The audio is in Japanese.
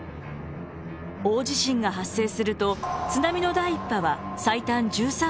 大地震が発生すると津波の第一波は最短１３分で到達。